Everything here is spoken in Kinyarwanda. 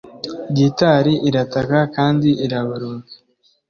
gitari irataka kandi iraboroga